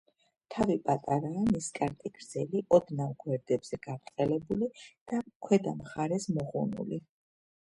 თავი პატარაა, ნისკარტი გრძელი, ოდნავ გვერდებზე გაბრტყელებული და ქვედა მხარეს მოღუნული.